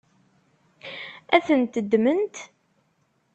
Ad tent-ddment?